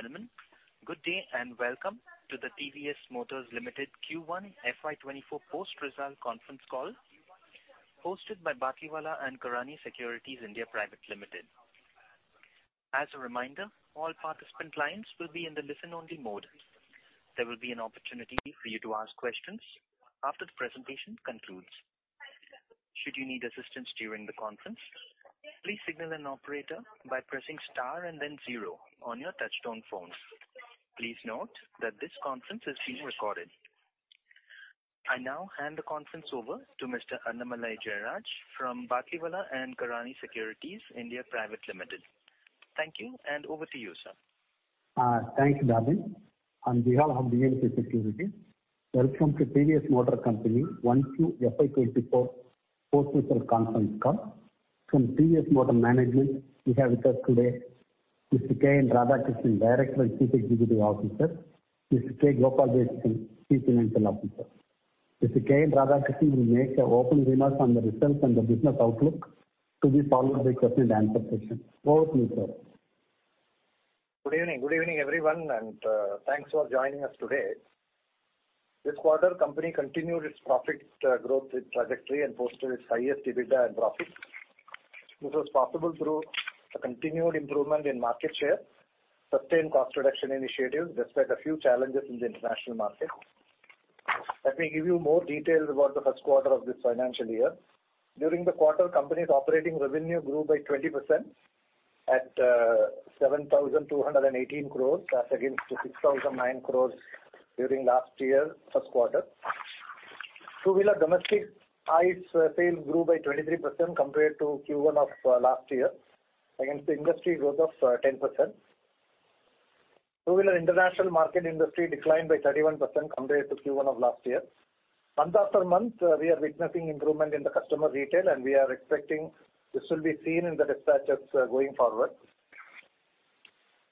Ladies and gentlemen, good day and welcome to the TVS Motors Limited Q1 FY 2024 post-result conference call, hosted by Batlivala & Karani Securities India Private Limited. As a reminder, all participant lines will be in the listen-only mode. There will be an opportunity for you to ask questions after the presentation concludes. Should you need assistance during the conference, please signal an operator by pressing star and then zero on your touch-tone phones. Please note that this conference is being recorded. I now hand the conference over to Mr. Annamalai Jayaraj from Batlivala & Karani Securities India Private Limited. Thank you, and over to you, sir. Thanks, Darwin. On behalf of the Karani Securities, welcome to TVS Motor Company, 1Q FY24 post-result conference call. From TVS Motor management, we have with us today, Mr. K.N. Radhakrishnan, Director and Chief Executive Officer, Mr. K. Gopalakrishnan, Chief Financial Officer. Mr. K.N. Radhakrishnan will make an opening remark on the results and the business outlook, to be followed by question-and-answer session. Over to you, sir. Good evening. Good evening, everyone, and thanks for joining us today. This quarter, company continued its profit growth trajectory and posted its highest EBITDA and profit. This was possible through a continued improvement in market share, sustained cost reduction initiatives, despite a few challenges in the international market. Let me give you more details about the first quarter of this financial year. During the quarter, company's operating revenue grew by 20% at 7,218 crores, as against 6,009 crores during last year, first quarter. Two-wheeler domestic ICE sales grew by 23% compared to Q1 of last year, against the industry growth of 10%. Two-wheeler international market industry declined by 31% compared to Q1 of last year. Month after month, we are witnessing improvement in the customer retail, and we are expecting this will be seen in the dispatches going forward.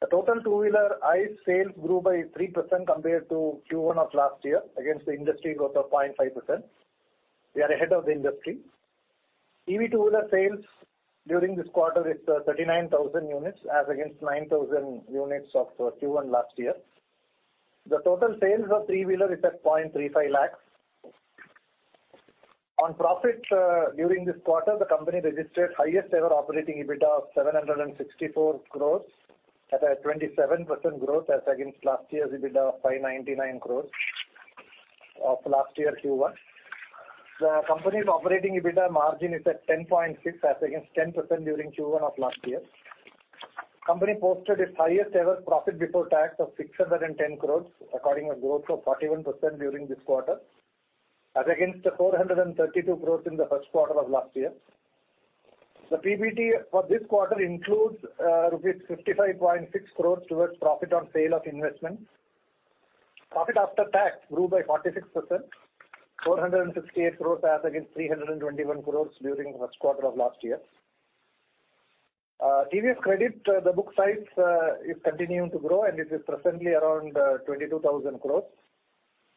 The total two-wheeler ICE sales grew by 3% compared to Q1 of last year, against the industry growth of 0.5%. We are ahead of the industry. EV two-wheeler sales during this quarter is 39,000 units, as against 9,000 units of Q1 last year. The total sales of three-wheeler is at 0.35 lakh. On profit, during this quarter, the company registered highest ever operating EBITDA of 764 crores, at a 27% growth as against last year's EBITDA of 599 crores of last year Q1. The company's operating EBITDA margin is at 10.6%, as against 10% during Q1 of last year. Company posted its highest ever profit before tax of 610 crores, according a growth of 41% during this quarter, as against the 432 crores in the first quarter of last year. The PBT for this quarter includes rupees 55.6 crores towards profit on sale of investment. Profit after tax grew by 46%, 468 crores as against 321 crores during the first quarter of last year. TVS Credit, the book size, is continuing to grow, and it is presently around 22,000 crores.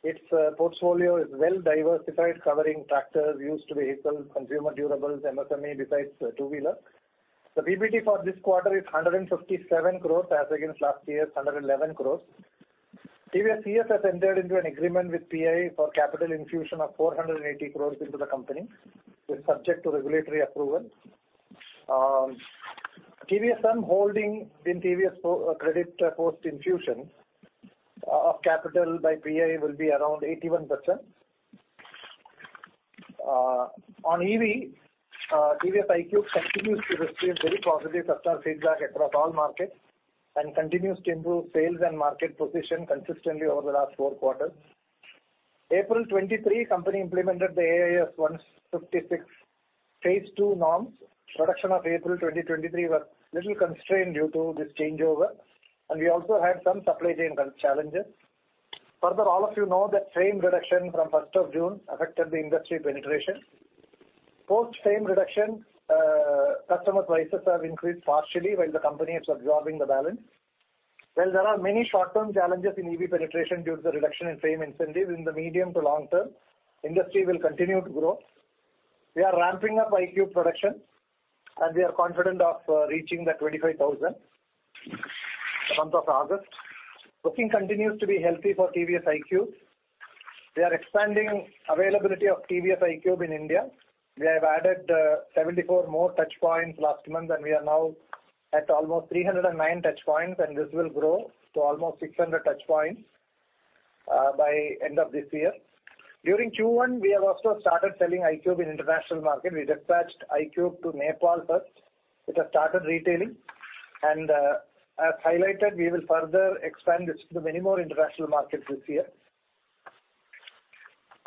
Its portfolio is well diversified, covering tractors, used vehicles, consumer durables, MSME, besides two-wheeler. The PBT for this quarter is 157 crores, as against last year's 111 crores. TVS has entered into an agreement with PAI for capital infusion of 480 crores into the company, is subject to regulatory approval. TVS M holding in TVS Credit, post infusion of capital by PAI will be around 81%. On EV, TVS iQube continues to receive very positive customer feedback across all markets and continues to improve sales and market position consistently over the last four quarters. April 2023, company implemented the AIS 156 phase II norms. Production of April 2023 were little constrained due to this changeover, and we also had some supply chain challenges. All of you know that FAME reduction from 1st of June affected the industry penetration. Post FAME reduction, customer prices have increased partially, while the company is absorbing the balance. While there are many short-term challenges in EV penetration due to the reduction in FAME incentives in the medium to long term, industry will continue to grow. We are ramping up iQube production, and we are confident of reaching the 25,000 the month of August. Booking continues to be healthy for TVS iQube. We are expanding availability of TVS iQube in India. We have added 74 more touch points last month, and we are now at almost 309 touch points, and this will grow to almost 600 touch points by end of this year. During Q1, we have also started selling iQube in international market. We dispatched iQube to Nepal first. It has started retailing. As highlighted, we will further expand this to the many more international markets this year.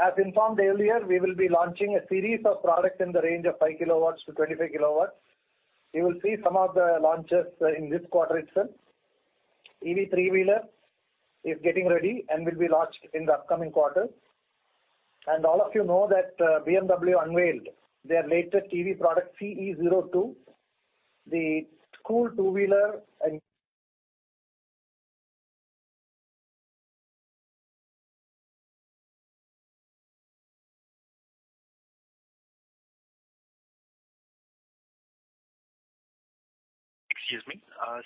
As informed earlier, we will be launching a series of products in the range of 5 kW to 25 kW. You will see some of the launches in this quarter itself. EV three-wheeler is getting ready and will be launched in the upcoming quarter. All of you know that BMW unveiled their latest EV product, CE 02, the cool two-wheeler. Excuse me.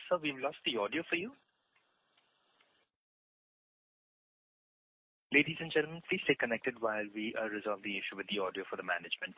Sir, we've lost the audio for you. Ladies and gentlemen, please stay connected while we resolve the issue with the audio for the management.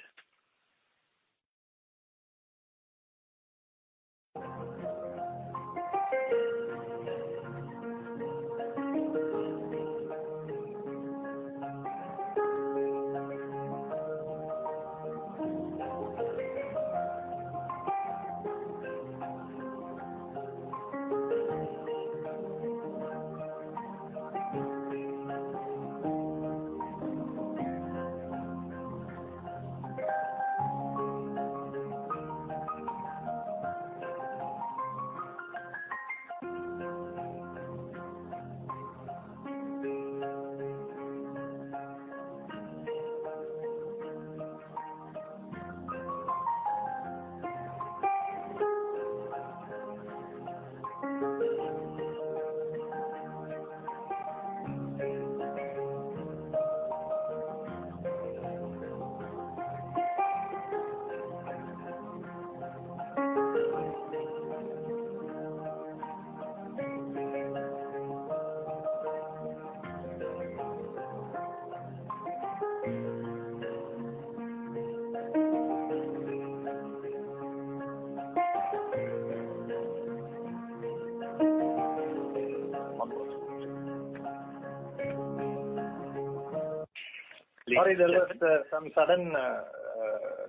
Sorry, there was some sudden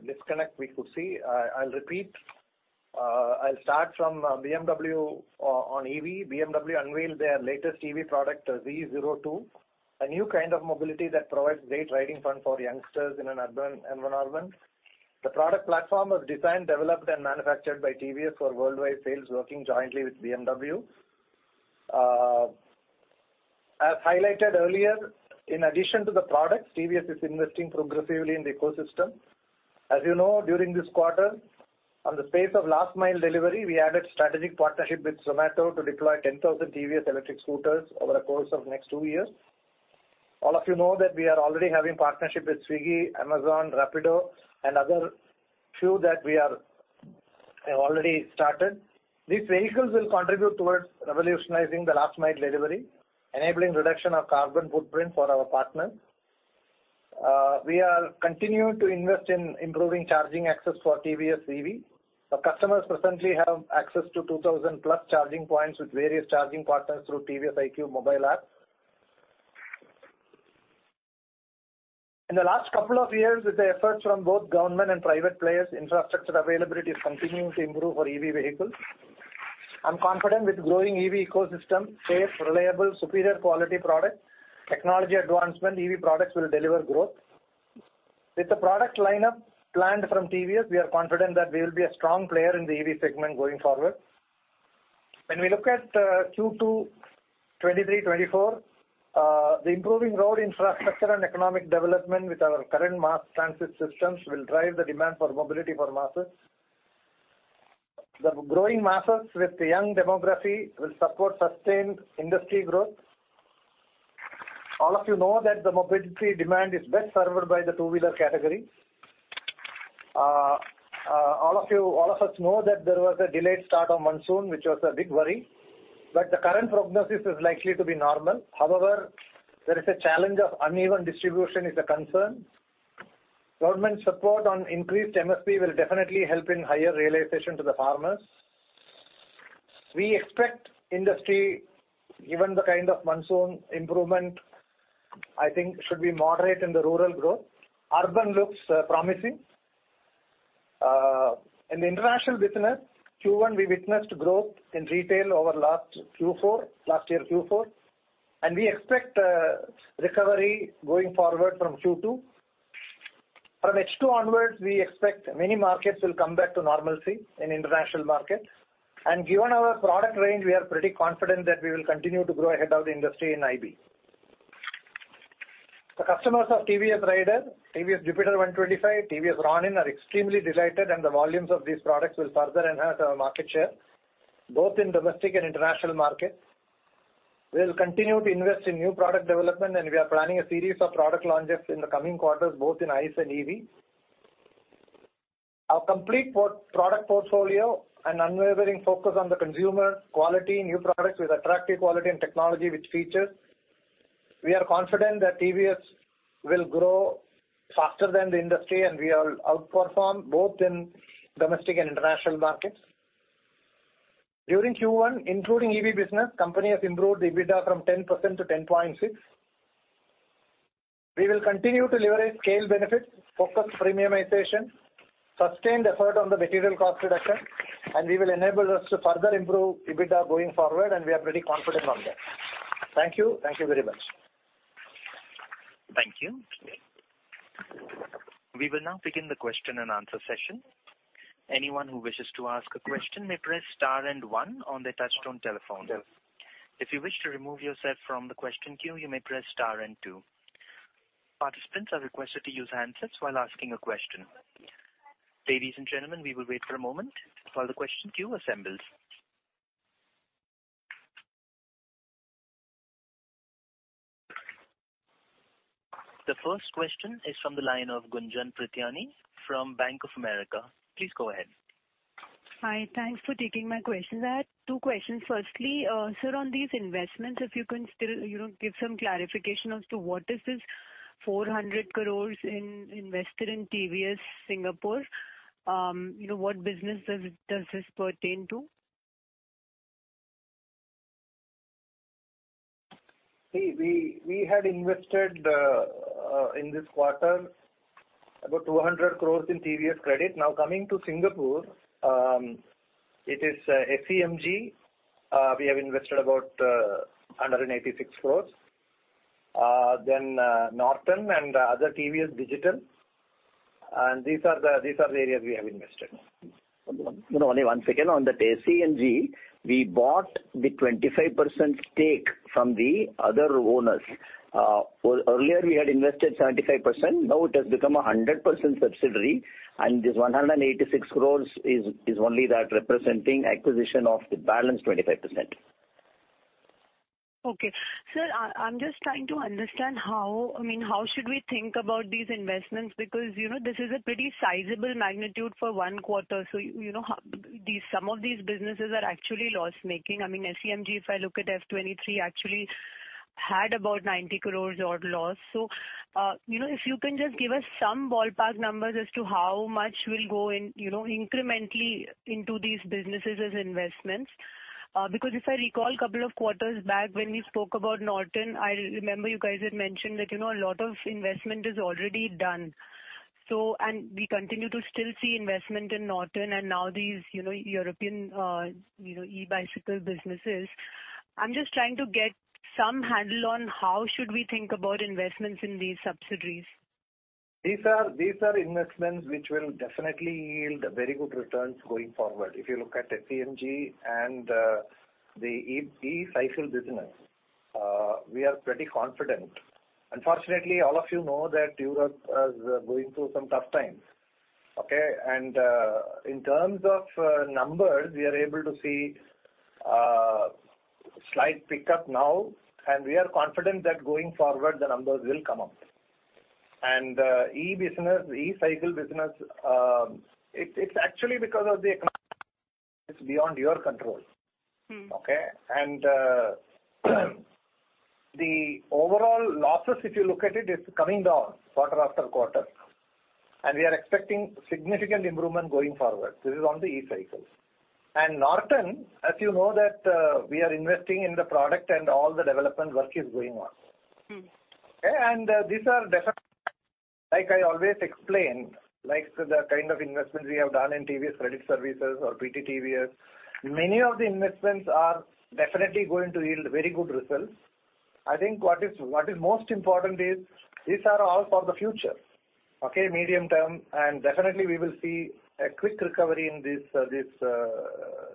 disconnect we could see. I'll repeat. I'll start from BMW on EV. BMW unveiled their latest EV product, the CE 02, a new kind of mobility that provides great riding fun for youngsters in an urban environment. The product platform was designed, developed, and manufactured by TVS for worldwide sales, working jointly with BMW. As highlighted earlier, in addition to the product, TVS is investing progressively in the ecosystem. As you know, during this quarter, on the space of last mile delivery, we added strategic partnership with Zomato to deploy 10,000 TVS electric scooters over the course of next 2 years. All of you know that we are already having partnership with Swiggy, Amazon, Rapido and other few that we have already started. These vehicles will contribute towards revolutionizing the last mile delivery, enabling reduction of carbon footprint for our partners. We are continuing to invest in improving charging access for TVS EV. Our customers presently have access to 2,000 plus charging points with various charging partners through TVS iQ mobile app. In the last couple of years, with the efforts from both government and private players, infrastructure availability is continuing to improve for EV vehicles. I'm confident with growing EV ecosystem, safe, reliable, superior quality products, technology advancement, EV products will deliver growth. With the product lineup planned from TVS, we are confident that we will be a strong player in the EV segment going forward. When we look at Q2, 2023, 2024, the improving road infrastructure and economic development with our current mass transit systems will drive the demand for mobility for masses. The growing masses with the young demography will support sustained industry growth. All of you know that the mobility demand is best served by the two-wheeler category. All of us know that there was a delayed start of monsoon, which was a big worry, but the current prognosis is likely to be normal. There is a challenge of uneven distribution is a concern. Government support on increased MSP will definitely help in higher realization to the farmers. We expect industry, given the kind of monsoon improvement, I think should be moderate in the rural growth. Urban looks promising. In the international business, Q1, we witnessed growth in retail over last year Q4, and we expect recovery going forward from Q2. From H2 onwards, we expect many markets will come back to normalcy in international markets. Given our product range, we are pretty confident that we will continue to grow ahead of the industry in IB. The customers of TVS Raider, TVS Jupiter 125, TVS Ronin are extremely delighted, and the volumes of these products will further enhance our market share, both in domestic and international markets. We will continue to invest in new product development, and we are planning a series of product launches in the coming quarters, both in ICE and EV. Our complete product portfolio and unwavering focus on the consumer, quality, new products with attractive quality and technology with features, we are confident that TVS will grow faster than the industry, and we all outperform both in domestic and international markets. During Q1, including EV business, company has improved EBITDA from 10% to 10.6%. We will continue to leverage scale benefits, focus premiumization, sustained effort on the material cost reduction, and we will enable us to further improve EBITDA going forward, and we are pretty confident on that. Thank you. Thank you very much. Thank you. We will now begin the question-and-answer session. Anyone who wishes to ask a question may press star and one on their touch-tone telephone. If you wish to remove yourself from the question queue, you may press star and two. Participants are requested to use handsets while asking a question. Ladies and gentlemen, we will wait for a moment while the question queue assembles. The first question is from the line of Gunjan Prithyani from Bank of America. Please go ahead. Hi, thanks for taking my questions. I have two questions. Firstly, sir, on these investments, if you can still, you know, give some clarification as to what is this 400 crores invested in TVS Singapore? You know, what business does this pertain to? We had invested in this quarter about 200 crores in TVS Credit. Coming to Singapore, it is SEMG. We have invested about 186 crores. Norton and other TVS Digital, these are the areas we have invested. You know, only one second. On the SEMG, we bought the 25% stake from the other owners. Earlier, we had invested 75%, now it has become a 100% subsidiary, this 186 crores is only that representing acquisition of the balance 25%. Okay. Sir, I'm just trying to understand how, I mean, how should we think about these investments? Because, you know, this is a pretty sizable magnitude for one quarter. you know, these, some of these businesses are actually loss-making. I mean, SEMG, if I look at F-23, actually had about 90 crores odd loss. you know, if you can just give us some ballpark numbers as to how much will go in, you know, incrementally into these businesses as investments. Because if I recall, couple of quarters back when we spoke about Norton, I remember you guys had mentioned that, you know, a lot of investment is already done. we continue to still see investment in Norton and now these, you know, European, you know, e-bicycle businesses. I'm just trying to get some handle on how should we think about investments in these subsidiaries? These are investments which will definitely yield very good returns going forward. If you look at SEMG and the e-cycle business, we are pretty confident. Unfortunately, all of you know that Europe is going through some tough times, okay? In terms of numbers, we are able to see slight pickup now, and we are confident that going forward, the numbers will come up. e-business, e-cycle business, it's actually because of the it's beyond your control. Mm. Okay? The overall losses, if you look at it, is coming down quarter after quarter. We are expecting significant improvement going forward. This is on the e-cycles. Norton, as you know, that, we are investing in the product, and all the development work is going on. Mm. Okay? These are different like I always explain, like the kind of investments we have done in TVS Credit Services or PT TVS, many of the investments are definitely going to yield very good results. I think what is most important is, these are all for the future, okay? Medium-term, definitely we will see a quick recovery in these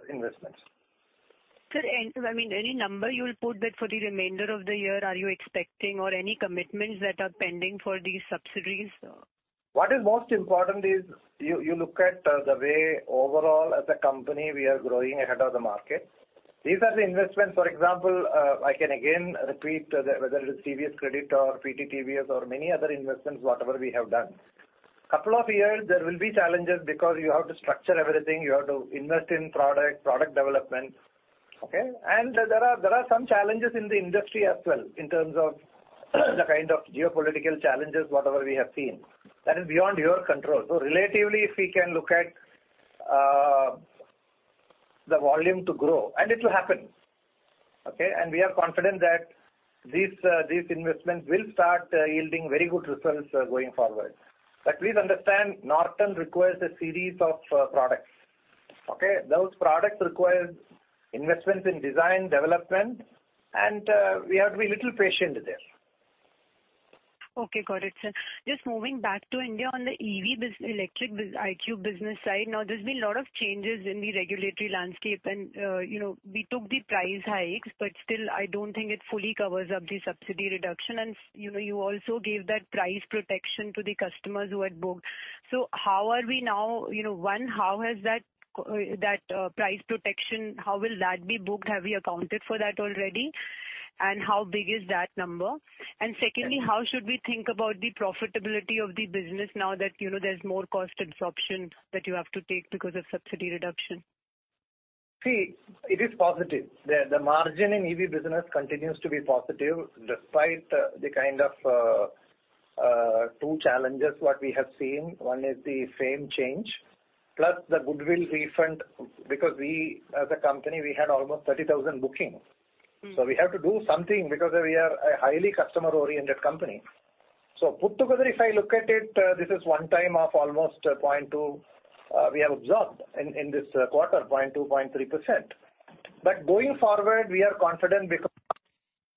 investments. Sir, I mean, any number you will put that for the remainder of the year, are you expecting or any commitments that are pending for these subsidiaries? What is most important is you look at the way overall as a company, we are growing ahead of the market. These are the investments, for example, I can again repeat, whether it is TVS Credit or PT TVS or many other investments, whatever we have done. Couple of years, there will be challenges because you have to structure everything, you have to invest in product development, okay? There are some challenges in the industry as well, in terms of the kind of geopolitical challenges, whatever we have seen. That is beyond your control. Relatively, if we can look at the volume to grow, and it will happen, okay? We are confident that these investments will start yielding very good results going forward. Please understand, Norton requires a series of products, okay? Those products require investments in design, development, and we have to be little patient there. Okay, got it, sir. Just moving back to India on the EV electric bus, iQube business side. There's been a lot of changes in the regulatory landscape and, you know, we took the price hikes, but still, I don't think it fully covers up the subsidy reduction. You know, you also gave that price protection to the customers who had booked. How are we now? You know, one, how has that price protection, how will that be booked? Have you accounted for that already, and how big is that number? Secondly, how should we think about the profitability of the business now that, you know, there's more cost absorption that you have to take because of subsidy reduction? See, it is positive. The margin in EV business continues to be positive despite the kind of two challenges what we have seen. One is the FAME change, plus the goodwill refund, because we, as a company, we had almost 30,000 bookings. Mm. We have to do something because we are a highly customer-oriented company. Put together, if I look at it, this is one time of almost 0.2%, we have absorbed in this quarter, 0.2%-0.3%. Going forward, we are confident because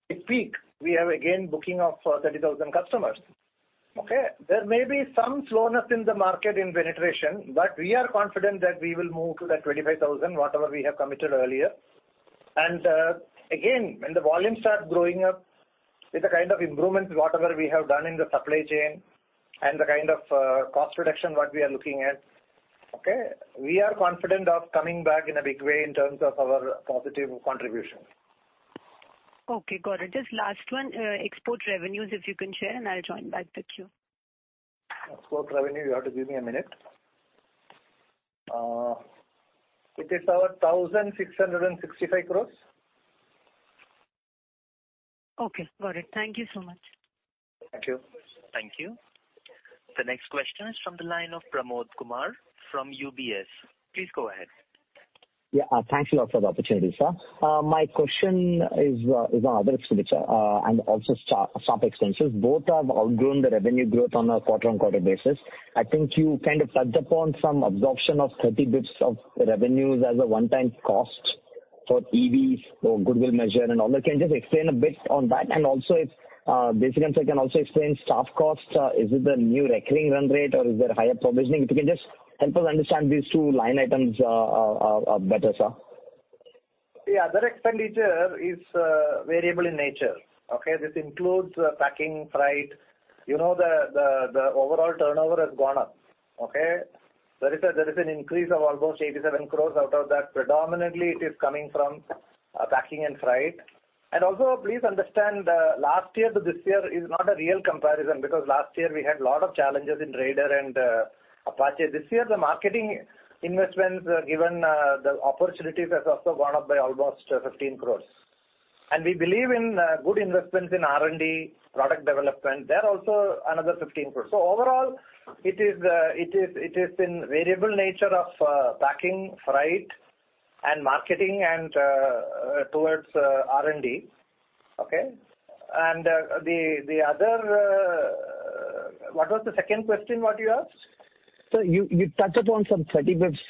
we peak. We have again, booking of 30,000 customers, okay. There may be some slowness in the market in penetration, but we are confident that we will move to that 25,000, whatever we have committed earlier. Again, when the volumes start growing up, with the kind of improvements, whatever we have done in the supply chain and the kind of cost reduction, what we are looking at. Okay. We are confident of coming back in a big way in terms of our positive contribution. Okay, got it. Just last one, export revenues, if you can share. I'll join back the queue. Export revenue, you have to give me a minute. It is our 1,665 crores. Okay, got it. Thank you so much. Thank you. Thank you. The next question is from the line of Pramod Kumar from UBS. Please go ahead. Yeah, thanks a lot for the opportunity, sir. My question is on other expenditure and also staff expenses. Both have outgrown the revenue growth on a quarter-on-quarter basis. I think you kind of touched upon some absorption of 30 bits of revenues as a one-time cost for EVs or goodwill measure and all that. Can you just explain a bit on that? And also if, basically, I can also explain staff costs. Is it the new recurring run rate, or is there higher provisioning? If you can just help us understand these two line items better, sir. The other expenditure is variable in nature, okay? This includes packing, freight. You know, the overall turnover has gone up, okay? There is an increase of almost 87 crores. Out of that, predominantly it is coming from packing and freight. Also, please understand, last year to this year is not a real comparison, because last year we had a lot of challenges in Raider and Apache. This year, the marketing investments, given the opportunities, has also gone up by almost 15 crores. We believe in good investments in R&D, product development. They're also another 15 crores. Overall, it is in variable nature of packing, freight, and marketing, and towards R&D. Okay? The other. What was the second question what you asked? Sir, you touched upon some 30 bits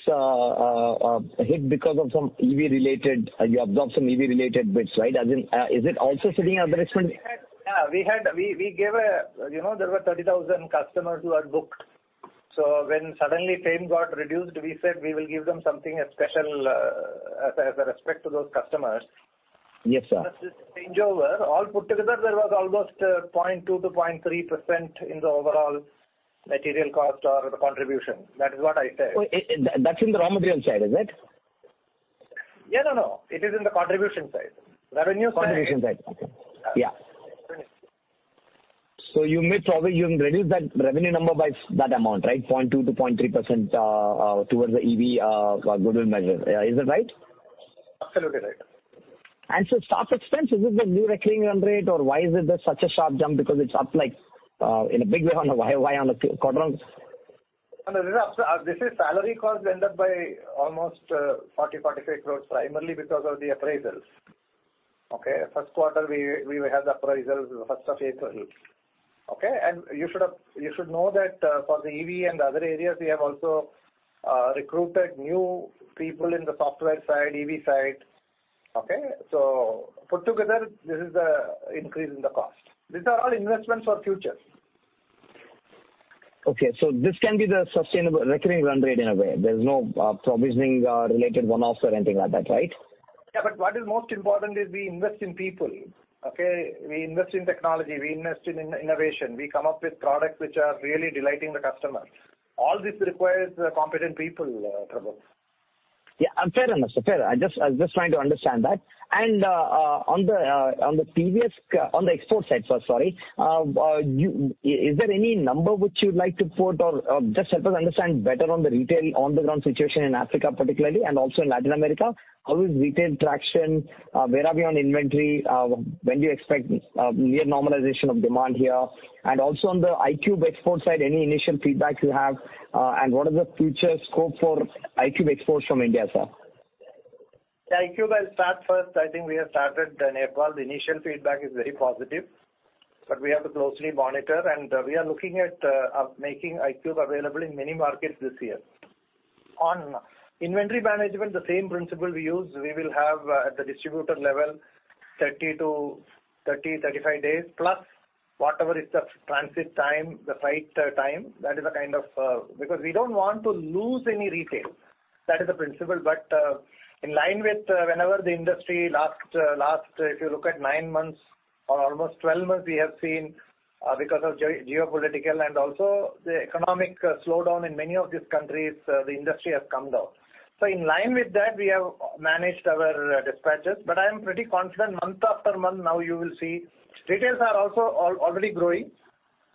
hit because of some EV-related, you absorbed some EV-related bits, right? As in, is it also sitting as the investment? Yeah, we gave a. You know, there were 30,000 customers who had booked. When suddenly FAME got reduced, we said we will give them something, a special, as a respect to those customers. Yes, sir. That is changeover. All put together, there was almost 0.2%-0.3% in the overall material cost or the contribution. That is what I said. Oh, that's in the raw material side, is it? Yeah, no. It is in the contribution side. Revenue side. Contribution side. Okay. Yeah. Yeah. You may probably, you can reduce that revenue number by that amount, right? 0.2%-0.3% towards the EV goodwill measure. Is that right? Absolutely right. staff expense, is it the new recurring run rate, or why is it that such a sharp jump? it's up, like, in a big way on a y-on-y, quarter on... This is salary cost went up by almost 40-45 crores, primarily because of the appraisals. Okay? First quarter, we had the appraisals, the first of April. Okay? You should know that for the EV and the other areas, we have also recruited new people in the software side, EV side. Okay? Put together, this is the increase in the cost. These are all investments for future. Okay, this can be the sustainable recurring run rate in a way. There's no provisioning related one-off or anything like that, right? Yeah, what is most important is we invest in people, okay? We invest in technology, we invest in innovation, we come up with products which are really delighting the customers. All this requires competent people, Pramod. Yeah, fair enough, sir. Fair. I was just trying to understand that. On the export side, sir, sorry, is there any number which you'd like to quote or just help us understand better on the retail, on-the-ground situation in Africa particularly, and also in Latin America? How is retail traction? Where are we on inventory? When do you expect near normalization of demand here? Also on the iQube export side, any initial feedback you have, and what is the future scope for iQube exports from India, sir? The iQube, I'll start first. I think we have started in April. The initial feedback is very positive, but we have to closely monitor, and we are looking at making iQube available in many markets this year. On inventory management, the same principle we use, we will have at the distributor level, 30 to 35 days, plus whatever is the transit time, the freight time. That is a kind of... Because we don't want to lose any retail. That is the principle. In line with whenever the industry last, if you look at nine months or almost 12 months, we have seen because of geopolitical and also the economic slowdown in many of these countries, the industry has come down. In line with that, we have managed our dispatches, but I am pretty confident month after month now you will see retails are also already growing,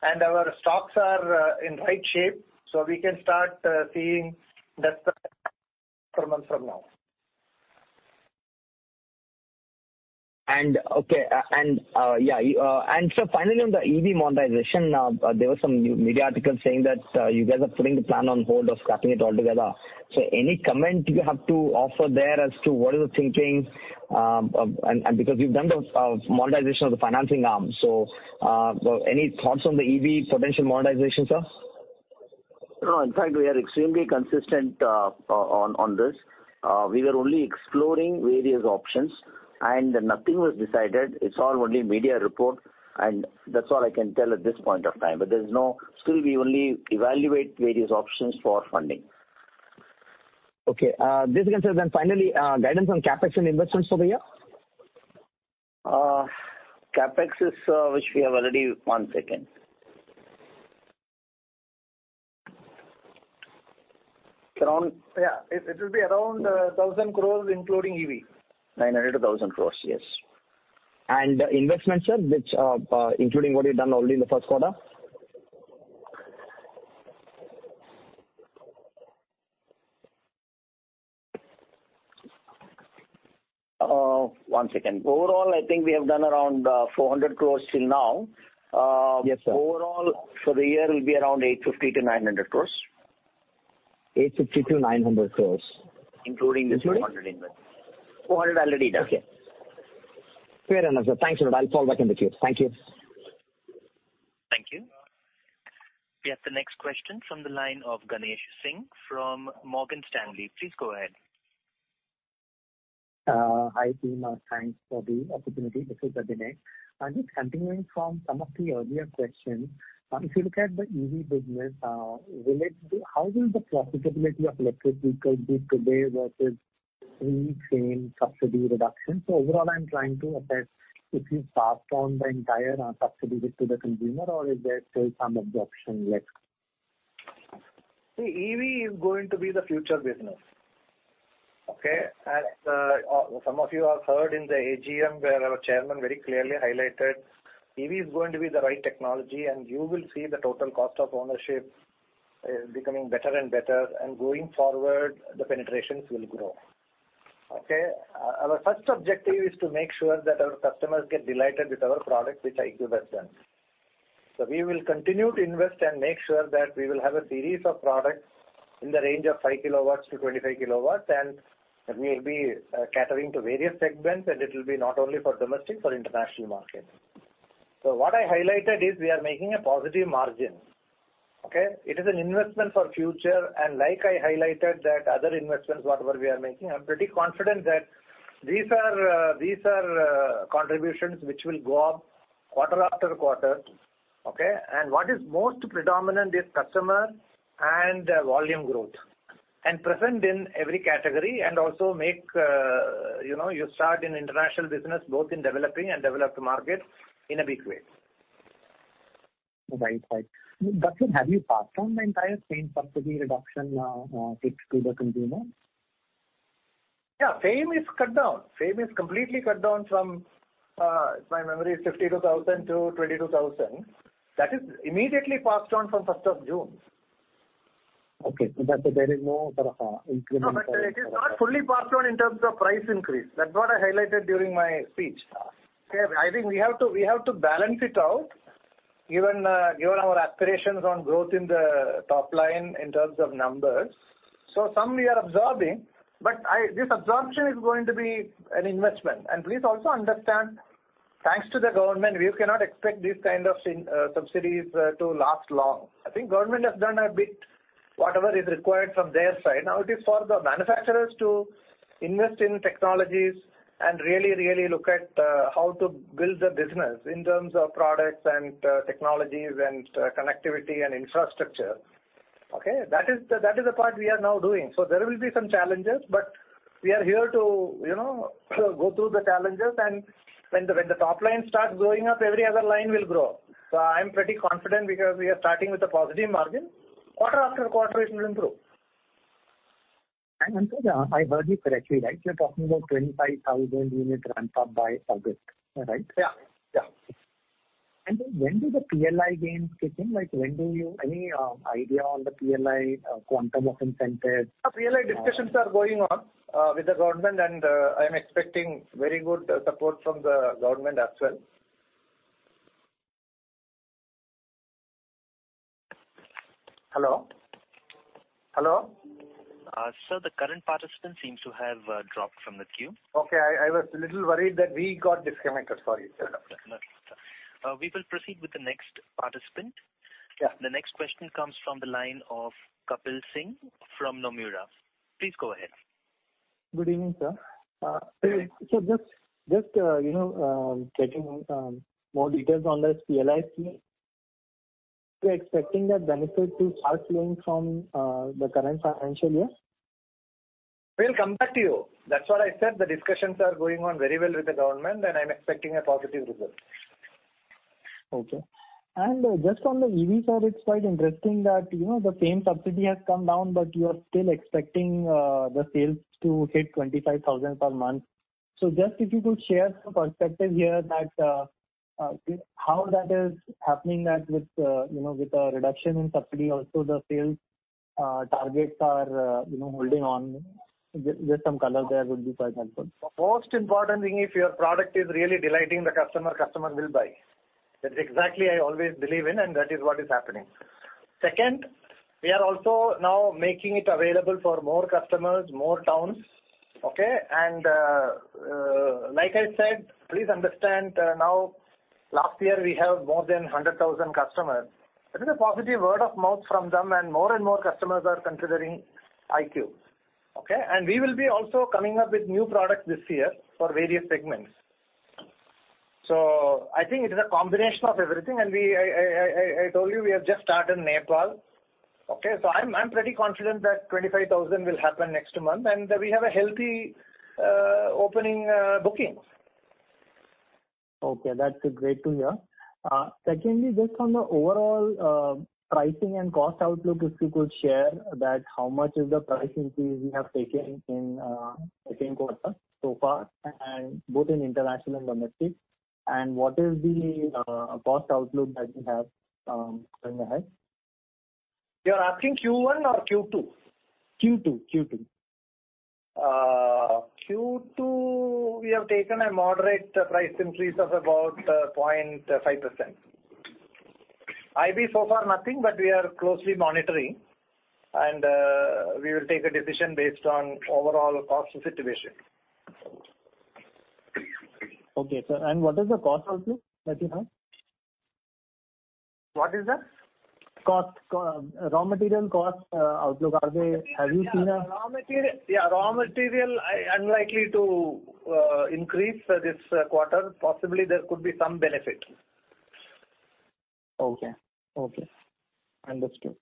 and our stocks are in right shape, so we can start seeing that from months from now. Okay, finally on the EV monetization, there were some new media articles saying that you guys are putting the plan on hold or scrapping it altogether. Any comment you have to offer there as to what is the thinking, and because you've done the monetization of the financing arm. Any thoughts on the EV potential monetization, sir? In fact, we are extremely consistent on this. We were only exploring various options. Nothing was decided. It's all only media report, and that's all I can tell at this point of time. Still, we only evaluate various options for funding. Basically, sir, finally, guidance on CapEx and investments for the year? CapEx is, which we have already, one second. It will be around 1,000 crores, including EV. 900 crores-1,000 crores, yes. Investment, sir, which, including what you've done already in the first quarter? One second. Overall, I think we have done around 400 crores till now. Yes, sir. Overall, for the year will be around 850 crores-900 crores. 850 crores-900 crores. Including this. Including? 400 investment. 400 already done. Okay. Fair enough, sir. Thanks a lot. I'll fall back in the queue. Thank you. Thank you. We have the next question from the line of Ganesh Singh from Morgan Stanley. Please go ahead. Hi, team, thanks for the opportunity. This is Ganesh. I'm just continuing from some of the earlier questions. If you look at the EV business, how will the profitability of electric vehicles do today versus any FAME subsidy reduction? Overall, I'm trying to assess if you passed on the entire subsidy to the consumer, or is there still some absorption left? See, EV is going to be the future business, okay. Some of you have heard in the AGM, where our chairman very clearly highlighted, EV is going to be the right technology, and you will see the total cost of ownership, becoming better and better, and going forward, the penetrations will grow. Okay. Our first objective is to make sure that our customers get delighted with our product, which iQube has done. We will continue to invest and make sure that we will have a series of products in the range of 5 kW to 25 kW, and we will be catering to various segments, and it will be not only for domestic, for international market. What I highlighted is we are making a positive margin. Okay. It is an investment for future. Like I highlighted those other investments, whatever we are making, I'm pretty confident that these are contributions which will go up quarter after quarter. What is most predominant is customer and volume growth, and present in every category and also make, you know, you start an international business, both in developing and developed markets in a big way. Right. Sir, have you passed on the entire FAME subsidy reduction fix to the consumer? Yeah, FAME is cut down. FAME is completely cut down from, if my memory is 52,000 to 22,000. That is immediately passed on from first of June. Okay. that there is no sort of. No, but it is not fully passed on in terms of price increase. That's what I highlighted during my speech. I think we have to balance it out, given our aspirations on growth in the top line in terms of numbers. Some we are absorbing, but this absorption is going to be an investment. Please also understand, thanks to the government, we cannot expect this kind of sin, subsidies to last long. I think government has done a bit, whatever is required from their side. It is for the manufacturers to invest in technologies and really look at how to build the business in terms of products and technologies and connectivity and infrastructure. Okay? That is the part we are now doing. There will be some challenges, but we are here to, you know, go through the challenges. When the top line starts growing up, every other line will grow. I'm pretty confident because we are starting with a positive margin, quarter after quarter it will improve. Also, I heard you correctly, right? You're talking about 25,000 unit ramp up by August, right? Yeah. Yeah. When do the PLI gains kick in? Like, any idea on the PLI quantum of incentive? PLI discussions are going on with the government, and I'm expecting very good support from the government as well. Hello? Hello? Sir, the current participant seems to have dropped from the queue. Okay. I was a little worried that we got disconnected. Sorry, sir. No. We will proceed with the next participant. Yeah. The next question comes from the line of Kapil Singh from Nomura. Please go ahead. Good evening, sir. Just, you know, getting more details on the PLI scheme, you're expecting that benefit to start flowing from the current financial year? We'll come back to you. That's what I said, the discussions are going on very well with the government. I'm expecting a positive result. Okay. Just on the EV side, it's quite interesting that, you know, the FAME subsidy has come down, but you are still expecting, the sales to hit 25,000 per month. Just if you could share some perspective here that, how that is happening that with, you know, with a reduction in subsidy, also the sales, targets are, you know, holding on. Just some color there would be quite helpful. Most important thing, if your product is really delighting the customer will buy. That is exactly I always believe in, and that is what is happening. Second, we are also now making it available for more customers, more towns, okay? Like I said, please understand, now, last year we have more than 100,000 customers. It is a positive word of mouth from them, and more and more customers are considering iQube, okay? We will be also coming up with new products this year for various segments. I think it is a combination of everything. We, I told you, we have just started in Nepal. Okay, I'm pretty confident that 25,000 will happen next month, and we have a healthy opening booking. Okay, that's great to hear. Secondly, just on the overall pricing and cost outlook, if you could share that, how much is the price increase you have taken in second quarter so far, and both in international and domestic? What is the cost outlook that you have going ahead? You're asking Q1 or Q2? Q2. Q2, we have taken a moderate price increase of about 0.5%. IB so far nothing. We are closely monitoring, and, we will take a decision based on overall cost situation. Okay, sir. What is the cost outlook that you have? What is that? Cost, raw material cost, outlook. Have you seen? Raw material. Yeah, raw material, unlikely to increase this quarter. Possibly, there could be some benefit. Okay. Okay, understood.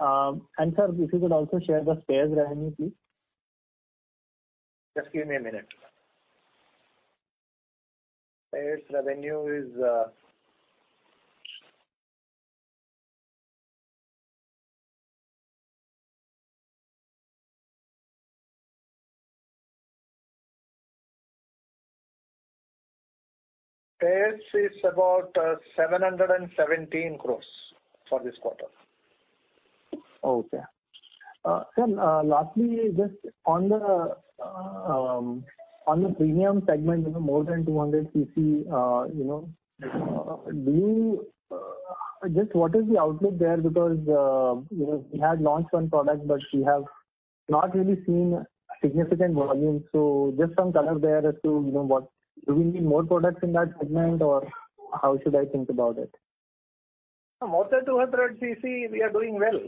Sir, if you could also share the spares revenue, please. Just give me a minute. Spares is about 717 crores for this quarter. Okay. sir, lastly, just on the premium segment, you know, more than 200 cc, you know, what is the outlook there? Because, you know, we had launched 1 product, but we have not really seen significant volume. Just some color there as to, you know, Do we need more products in that segment, or how should I think about it? More than 200 cc, we are doing well,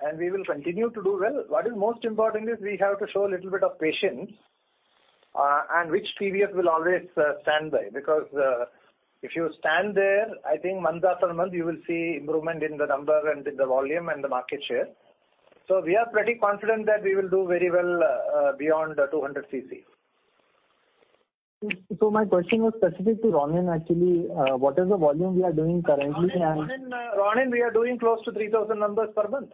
and we will continue to do well. What is most important is we have to show a little bit of patience, and which TVS will always stand by. If you stand there, I think month after month, you will see improvement in the number and in the volume and the market share. We are pretty confident that we will do very well, beyond the 200 cc. My question was specific to Ronin, actually. What is the volume we are doing currently? Ronin, we are doing close to 3,000 numbers per month.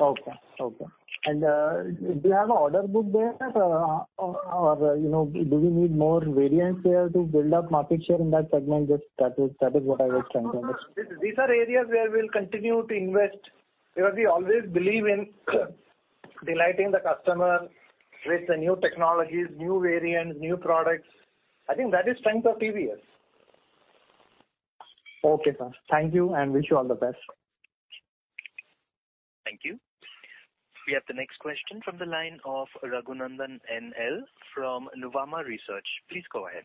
Okay. Okay. Do you have an order book there, or, you know, do we need more variants there to build up market share in that segment? Just that is what I was trying to understand. These are areas where we'll continue to invest, because we always believe in delighting the customer with the new technologies, new variants, new products. I think that is strength of TVS. Okay, sir. Thank you, and wish you all the best. Thank you. We have the next question from the line of Raghunandhan NL from Nuvama Research. Please go ahead.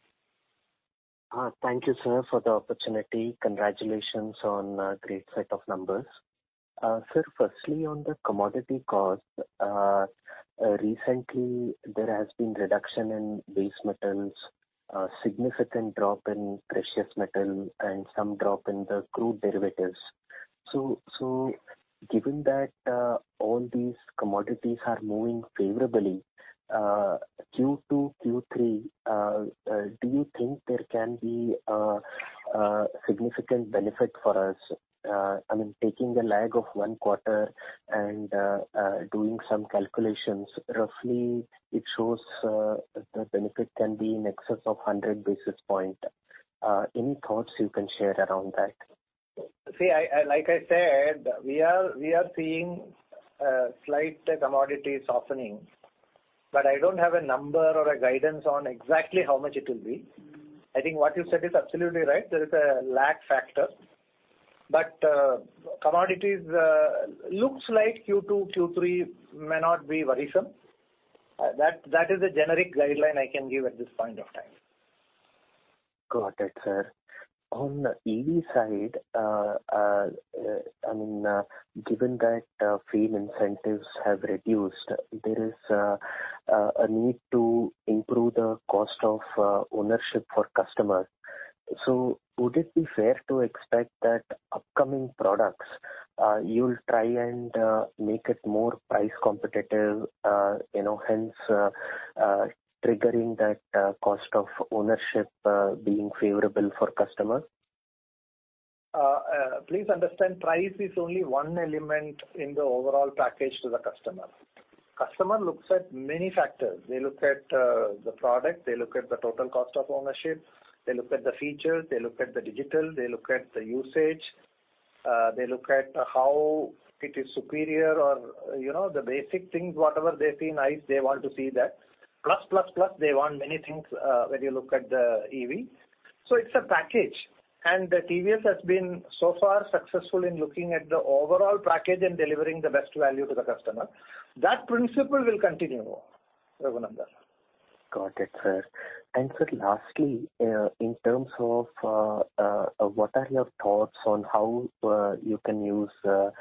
Thank you, sir, for the opportunity. Congratulations on a great set of numbers. Sir, firstly, on the commodity cost, recently there has been reduction in base metals, a significant drop in precious metal, and some drop in the crude derivatives. So, given that, all these commodities are moving favorably, Q2-Q3, do you think there can be a significant benefit for us? I mean, taking a lag of one quarter and doing some calculations, roughly it shows the benefit can be in excess of 100 basis points. Any thoughts you can share around that? I, like I said, we are seeing, slight commodity softening, but I don't have a number or a guidance on exactly how much it will be. I think what you said is absolutely right. There is a lag factor, but, commodities, looks like Q2-Q3 may not be very certain. That is the generic guideline I can give at this point of time. Got it, sir. On the EV side, I mean, given that FAME incentives have reduced, there is a need to improve the cost of ownership for customers. Would it be fair to expect that upcoming products, you'll try and make it more price competitive, you know, hence, triggering that cost of ownership being favorable for customers? Please understand, price is only one element in the overall package to the customer. Customer looks at many factors. They look at the product, they look at the total cost of ownership, they look at the features, they look at the digital, they look at the usage, they look at how it is superior or, you know, the basic things, whatever they see nice, they want to see that. Plus, they want many things when you look at the EV. It's a package, and the TVS has been so far successful in looking at the overall package and delivering the best value to the customer. That principle will continue, Raghunandan. Got it, sir. Sir, lastly, in terms of, what are your thoughts on how you can use the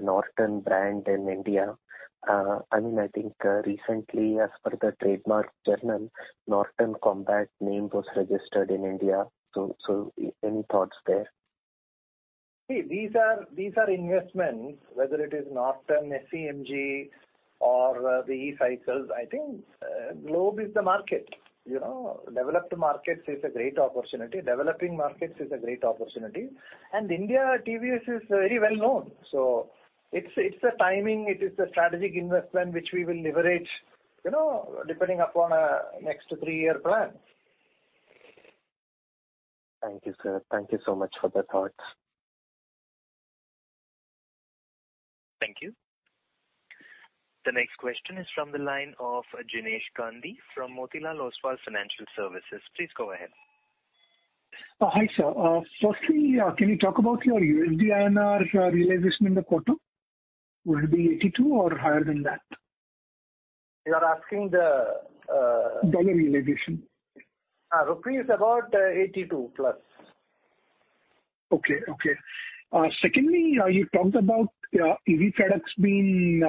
Norton brand in India? I mean, I think, recently, as per the trademark journal, Norton Combat name was registered in India. Any thoughts there? See, these are investments, whether it is Norton, SEMG or the e-cycles, I think, globe is the market. You know, developed markets is a great opportunity, developing markets is a great opportunity, and India, TVS is very well known. It's a timing, it is a strategic investment which we will leverage, you know, depending upon our next three-year plan. Thank you, sir. Thank you so much for the thoughts. Thank you. The next question is from the line of Jinesh Gandhi from Motilal Oswal Financial Services. Please go ahead. Hi, sir. Firstly, can you talk about your USD INR realization in the quarter? Will it be 82 or higher than that? You are asking the. Dollar realization. Rupee is about 82+. Okay. Secondly, you talked about EV products being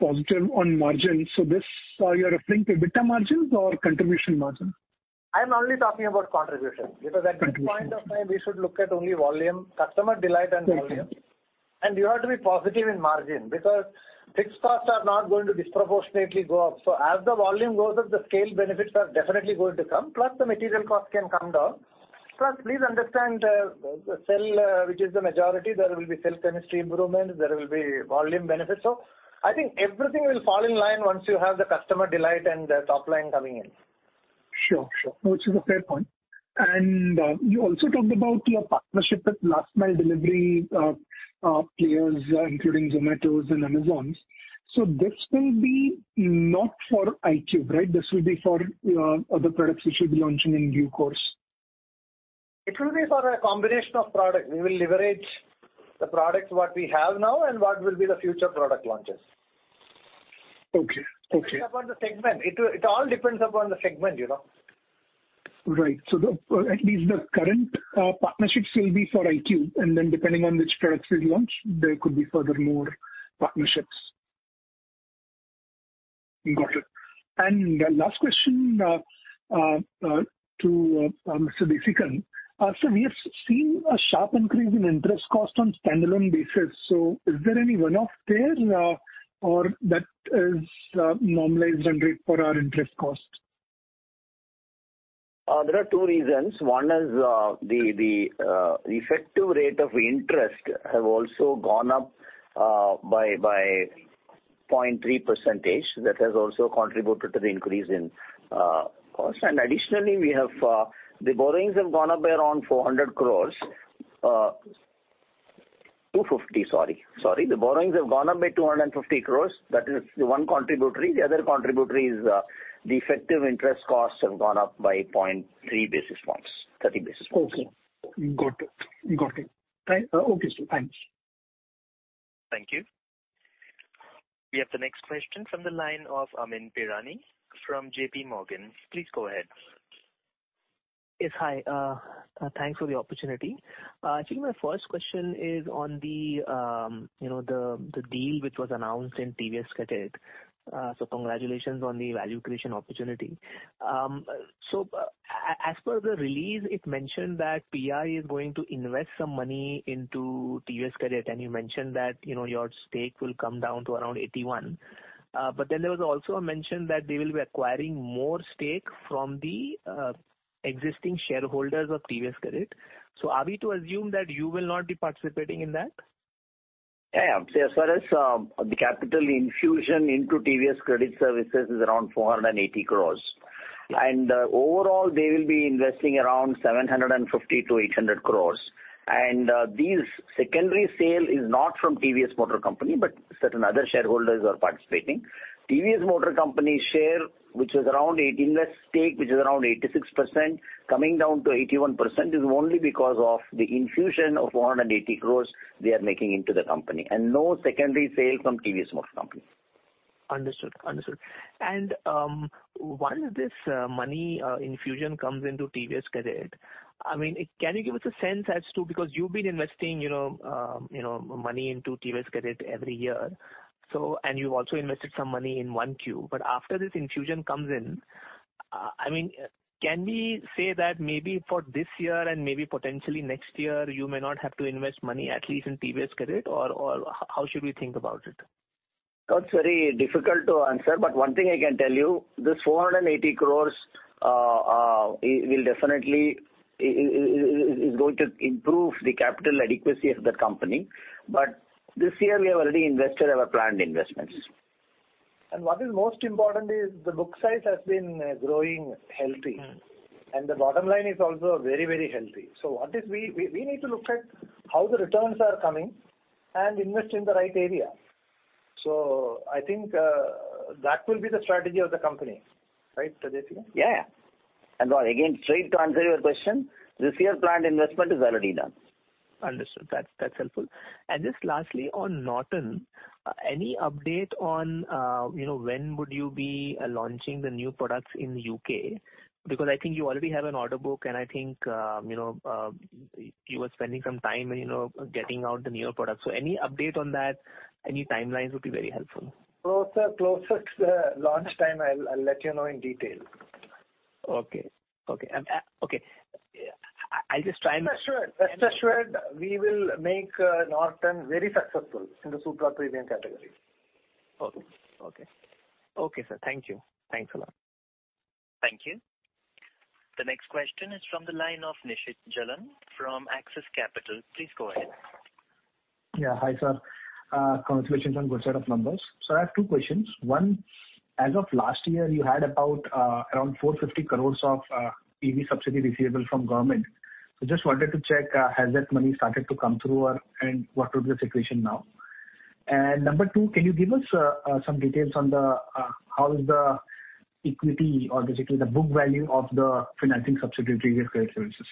positive on margins. This, are you referring to EBITDA margins or contribution margin? I'm only talking about contribution. Contribution. At this point of time, we should look at only volume, customer delight and volume. Thank you. You have to be positive in margin, because fixed costs are not going to disproportionately go up. As the volume goes up, the scale benefits are definitely going to come, plus the material cost can come down. Please understand, the cell, which is the majority, there will be cell chemistry improvement, there will be volume benefits. I think everything will fall in line once you have the customer delight and the top line coming in. Sure, sure. Which is a fair point. You also talked about your partnership with last mile delivery players, including Zomato and Amazon. This will be not for iQube, right? This will be for other products you should be launching in due course. It will be for a combination of products. We will leverage the products what we have now and what will be the future product launches. Okay. Okay. Depends upon the segment. It all depends upon the segment, you know? Right. The at least the current partnerships will be for iQube, and then depending on which products we launch, there could be further more partnerships. Got it. Last question to Mr. Jayarajan. We have seen a sharp increase in interest cost on standalone basis, so is there any one-off there or that is normalized run rate for our interest costs? There are two reasons. One is, the effective rate of interest have also gone up by 0.3%. That has also contributed to the increase in cost. Additionally, we have the borrowings have gone up by around 400 crores. 250, sorry. The borrowings have gone up by 250 crores. That is the one contributory. The other contributory is, the effective interest costs have gone up by 0.3 basis points, 30 basis points. Okay. Got it. Okay, sir. Thanks. Thank you. We have the next question from the line of Amyn Pirani from JPMorgan. Please go ahead. Yes, hi. Thanks for the opportunity. Actually, my first question is on the, you know, the deal which was announced in TVS Credit. Congratulations on the value creation opportunity. As per the release, it mentioned that PI is going to invest some money into TVS Credit, and you mentioned that, you know, your stake will come down to around 81. There was also a mention that they will be acquiring more stake from the existing shareholders of TVS Credit. Are we to assume that you will not be participating in that? Yeah. As far as, the capital infusion into TVS Credit Services is around 480 crores. Overall, they will be investing around 750-800 crores. This secondary sale is not from TVS Motor Company, but certain other shareholders are participating. TVS Motor Company share, which is around invest stake, which is around 86%, coming down to 81%, is only because of the infusion of 480 crores they are making into the company, and no secondary sale from TVS Motor Company. Understood. Understood. Once this money infusion comes into TVS Credit, I mean, can you give us a sense as to... Because you've been investing, you know, money into TVS Credit every year. You've also invested some money in OneQube. After this infusion comes in, I mean, can we say that maybe for this year and maybe potentially next year, you may not have to invest money at least in TVS Credit, or how should we think about it? That's very difficult to answer, but one thing I can tell you, this 480 crores, it will definitely, is going to improve the capital adequacy of the company. This year we have already invested our planned investments. What is most important is the book size has been growing healthy. Mm-hmm. The bottom line is also very healthy. What is we need to look at how the returns are coming and invest in the right area. I think that will be the strategy of the company. Right, Mr. Jesegan? Yeah. Again, straight to answer your question, this year's planned investment is already done. Understood. That's helpful. Just lastly, on Norton, any update on, you know, when would you be launching the new products in UK? Because I think you already have an order book, and I think, you know, you were spending some time, you know, getting out the newer products. Any update on that, any timelines would be very helpful. Closer to the launch time, I'll let you know in detail. Okay. Okay. I'll just try. Rest assured, we will make Norton very successful in the super premium category. Okay. Okay. Okay, sir. Thank you. Thanks a lot. Thank you. The next question is from the line of Nishit Jalan from Axis Capital. Please go ahead. Yeah, hi, sir. Congratulations on good set of numbers. I have two questions. One, as of last year, you had around 450 crores of EV subsidy receivable from government. Just wanted to check, has that money started to come through or, and what would be the situation now? Number two, can you give us some details on the how is the equity or basically the book value of the financing subsidiary Credit Services?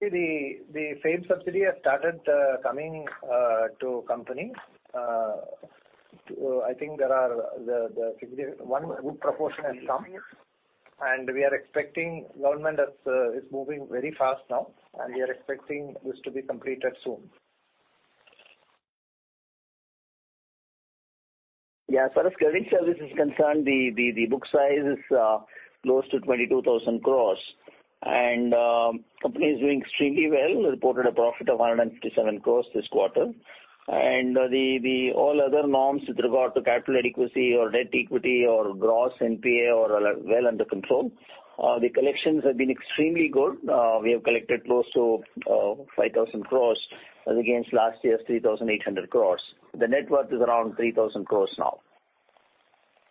The same subsidy has started coming to company. I think there are one good proportion has come, we are expecting government is moving very fast now, and we are expecting this to be completed soon. Yeah, as far as credit service is concerned, the book size is close to 22,000 crores. Company is doing extremely well. We reported a profit of 157 crores this quarter. All other norms with regard to capital adequacy or debt equity or gross NPA are all well under control. The collections have been extremely good. We have collected close to 5,000 crores as against last year's 3,800 crores. The net worth is around 3,000 crores now.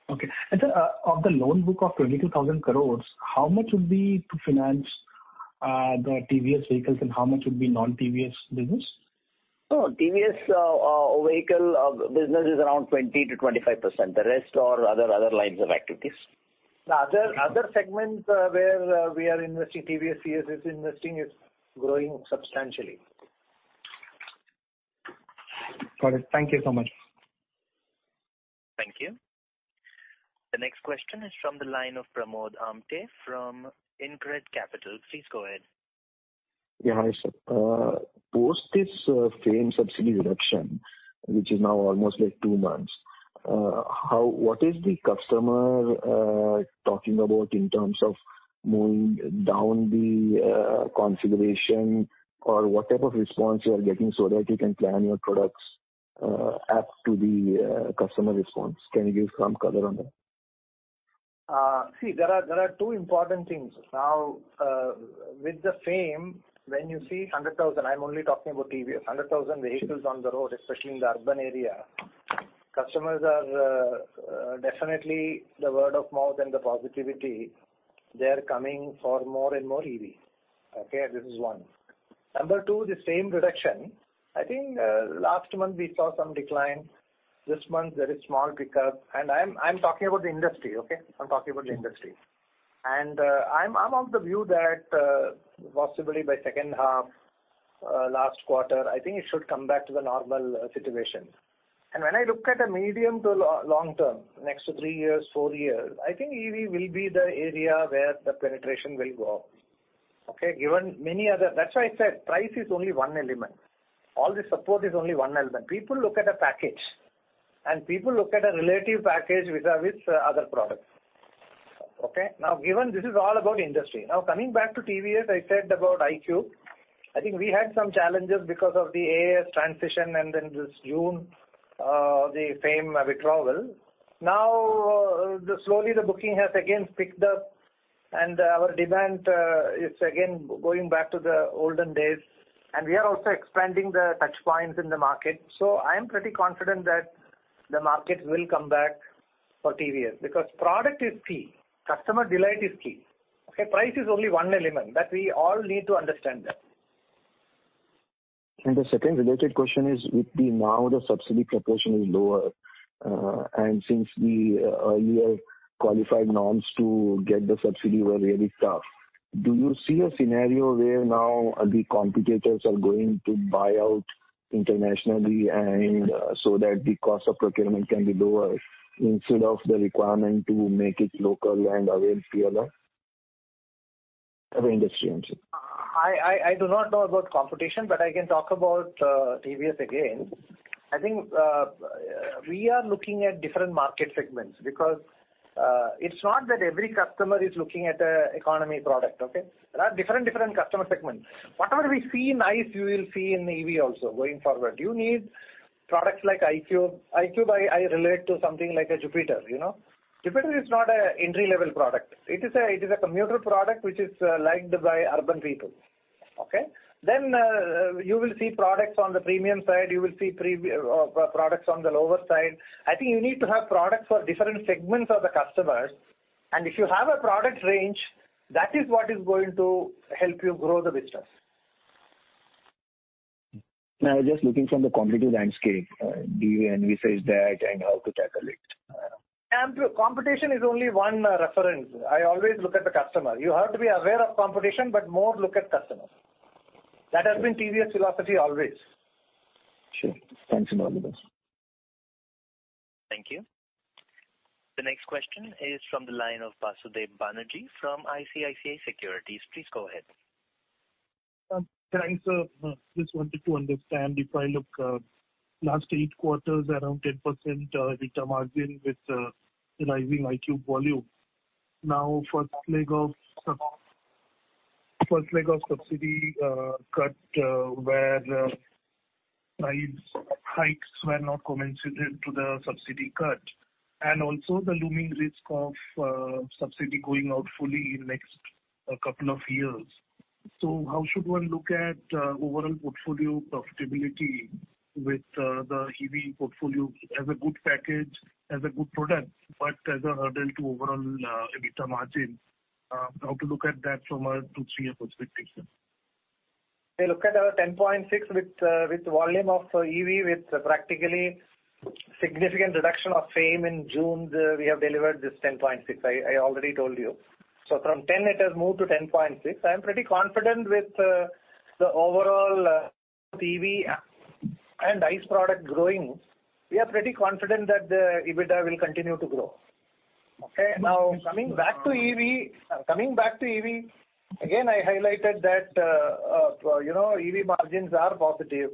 Okay. sir, of the loan book of 22,000 crore, how much would be to finance the TVS vehicles, and how much would be non-TVS business? TVS vehicle business is around 20%-25%. The rest are other lines of activities. The other segments, where, we are investing, TVS is investing, is growing substantially. Got it. Thank you so much. Thank you. The next question is from the line of Pramod Amthe from InCred Capital. Please go ahead. Yeah. Hi, sir. Post this FAME subsidy reduction, which is now almost like two months, what is the customer talking about in terms of moving down the configuration, or what type of response you are getting so that you can plan your products as to the customer response? Can you give some color on that? See, there are two important things. Now, with the FAME, when you see 100,000, I'm only talking about TVS, 100,000 vehicles on the road, especially in the urban area, customers are definitely the word of mouth and the positivity, they are coming for more and more EV, okay? This is one. Number two, the FAME reduction. I think, last month we saw some decline. This month, there is small pickup. I'm talking about the industry, okay? I'm talking about the industry. Mm-hmm. I'm of the view that possibly by second half, last quarter, I think it should come back to the normal situation. When I look at the medium to long term, next to 3 years, 4 years, I think EV will be the area where the penetration will go up. That's why I said price is only one element. All the support is only one element. People look at a package, and people look at a relative package vis-a-vis other products. Given this is all about industry. Coming back to TVS, I said about iQube. I think we had some challenges because of the AAS transition, and then this June, the FAME withdrawal. Now, the slowly the booking has again picked up, and our demand is again going back to the olden days, and we are also expanding the touchpoints in the market. I am pretty confident that the market will come back for TVS, because product is key, customer delight is key, okay? Price is only one element, that we all need to understand that. The second related question is, with the now the subsidy proportion is lower, and since the earlier qualified norms to get the subsidy were really tough, do you see a scenario where now the competitors are going to buy out internationally and so that the cost of procurement can be lower instead of the requirement to make it local and avoid PLI of industry, I mean? I do not know about competition. I can talk about TVS again. I think we are looking at different market segments because it's not that every customer is looking at a economy product, okay? There are different customer segments. Whatever we see in ICE, you will see in EV also going forward. You need products like iQube. iQube, I relate to something like a Jupiter, you know? Jupiter is not a entry-level product. It is a commuter product which is liked by urban people, okay? You will see products on the premium side, you will see products on the lower side. I think you need to have products for different segments of the customers. If you have a product range, that is what is going to help you grow the business. I was just looking from the competitive landscape, the envisaged that and how to tackle it. Competition is only one reference. I always look at the customer. You have to be aware of competition, but more look at customers. That has been TVS philosophy always. Sure. Thanks a lot. Thank you. The next question is from the line of Basudev Banerjee from ICICI Securities. Please go ahead. Sir, thanks, sir. Just wanted to understand, if I look, last 8 quarters, around 10% EBITDA margin with rising iQube volume. First leg of subsidy cut, where price hikes were not commensurate to the subsidy cut, and also the looming risk of subsidy going out fully in next couple of years. How should one look at overall portfolio profitability with the EV portfolio as a good package, as a good product, but as a hurdle to overall EBITDA margin? How to look at that from a two, three-year perspective? Look at our 10.6 with volume of EV, with practically significant reduction of FAME in June, we have delivered this 10.6. I already told you. From 10 it has moved to 10.6. I am pretty confident with the overall EV and ICE product growing. We are pretty confident that the EBITDA will continue to grow. Coming back to EV, again, I highlighted that, you know, EV margins are positive.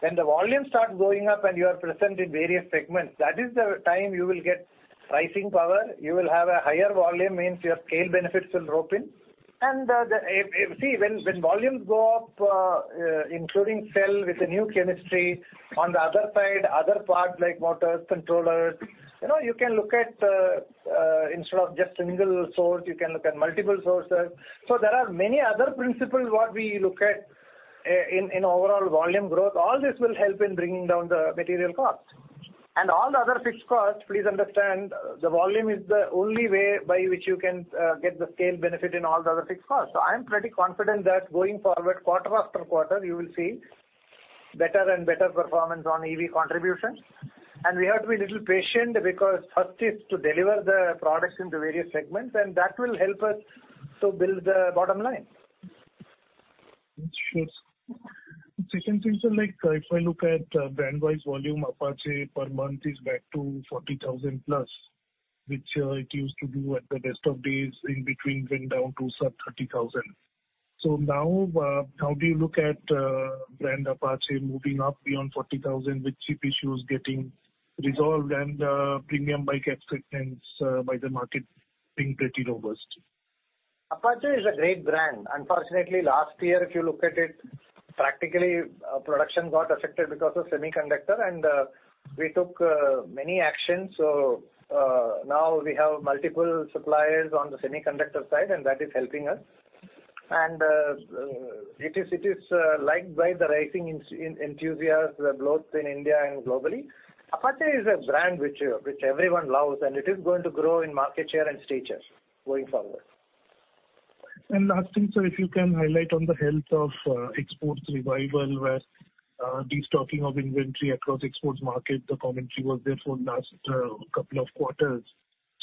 When the volume starts going up and you are present in various segments, that is the time you will get pricing power. You will have a higher volume, means your scale benefits will rope in. If see, when volumes go up, including cell with a new chemistry on the other side, other parts like motors, controllers, you know, you can look at, instead of just a single source, you can look at multiple sources. There are many other principles what we look at in overall volume growth. All this will help in bringing down the material costs. All the other fixed costs, please understand, the volume is the only way by which you can get the scale benefit in all the other fixed costs. I am pretty confident that going forward, quarter after quarter, you will see better and better performance on EV contributions. We have to be a little patient because first is to deliver the products into various segments, and that will help us to build the bottom line. Sure. Recent things are like, if I look at, brand-wise, volume Apache per month is back to 40,000+, which, it used to do at the best of days in between, went down to sub 30,000. Now, how do you look at, brand Apache moving up beyond 40,000, with chip issues getting resolved and, premium bike acceptance, by the market being pretty robust? Apache is a great brand. Unfortunately, last year, if you look at it, practically, production got affected because of semiconductor, and we took many actions. Now we have multiple suppliers on the semiconductor side, and that is helping us. It is liked by the racing enthusiasts, both in India and globally. Apache is a brand which everyone loves, and it is going to grow in market share and stature going forward. Last thing, sir, if you can highlight on the health of exports revival, where destocking of inventory across exports market, the commentary was there for last couple of quarters.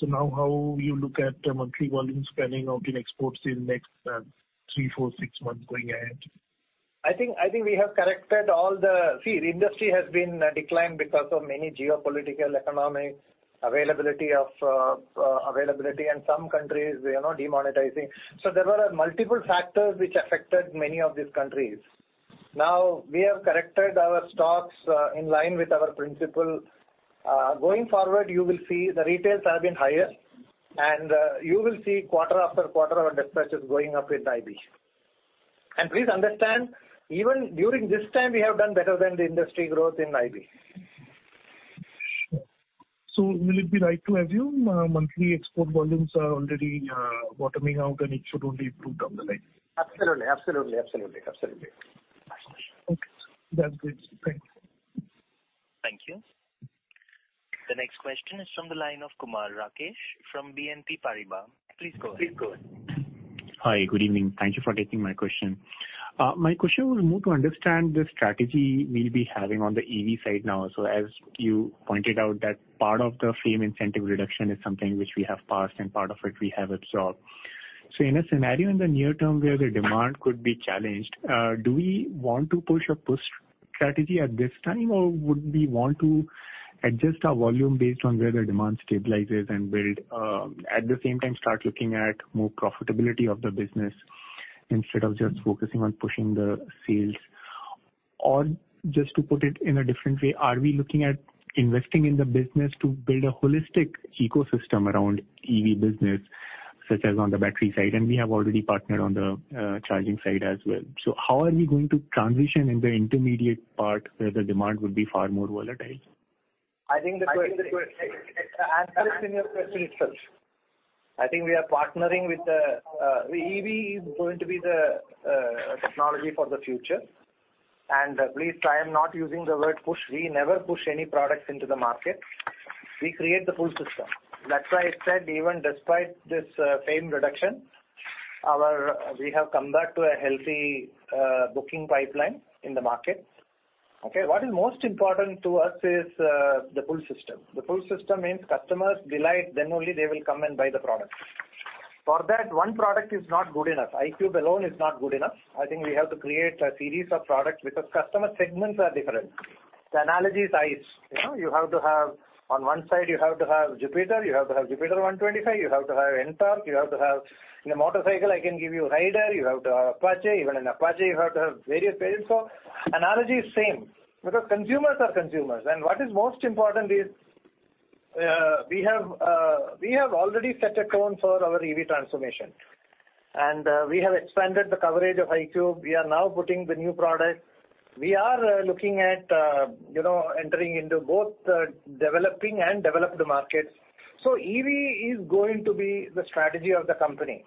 Now how you look at the monthly volume spending of the exports in next three, four, six months going ahead? I think we have corrected all the. See, the industry has been declined because of many geopolitical, economic, availability of availability, and some countries, we are now demonetizing. There were multiple factors which affected many of these countries. We have corrected our stocks in line with our principle. Going forward, you will see the retails have been higher, and you will see quarter after quarter our dispatches going up in IB. Please understand, even during this time, we have done better than the industry growth in IB. Sure. Will it be right to assume monthly export volumes are already bottoming out and it should only improve down the line? Absolutely. Absolutely. Absolutely. Absolutely. Okay, that's great. Thank you. Thank you. The next question is from the line of Kumar Rakesh from BNP Paribas. Please go ahead. Hi, good evening. Thank you for taking my question. My question was more to understand the strategy we'll be having on the EV side now. As you pointed out, that part of the FAME incentive reduction is something which we have passed and part of it we have absorbed. In a scenario in the near term where the demand could be challenged, do we want to push a push strategy at this time, or would we want to adjust our volume based on where the demand stabilizes and build, at the same time, start looking at more profitability of the business instead of just focusing on pushing the sales? Just to put it in a different way, are we looking at investing in the business to build a holistic ecosystem around EV business, such as on the battery side? We have already partnered on the charging side as well. How are we going to transition in the intermediate part, where the demand would be far more volatile? I think the question, answer in your question itself. I think we are partnering with the EV is going to be the technology for the future. Please, I am not using the word push. We never push any products into the market. We create the full system. That's why I said even despite this FAME reduction, we have come back to a healthy booking pipeline in the market. Okay, what is most important to us is the full system. The full system means customers delight, then only they will come and buy the product. For that, one product is not good enough. iQube alone is not good enough. I think we have to create a series of products because customer segments are different. The analogy is ice. You know, you have to have, on one side, you have to have Jupiter, you have to have Jupiter 125, you have to have NTORQ, you have to have, in a motorcycle, I can give you Raider, you have to have Apache. Even in Apache, you have to have various variants. Analogy is same, because consumers are consumers. What is most important is, we have already set a tone for our EV transformation, and we have expanded the coverage of iQube. We are now putting the new product. We are looking at, you know, entering into both the developing and developed markets. EV is going to be the strategy of the company,